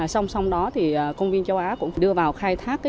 song song đó thì công viên châu á cũng đưa vào khai thác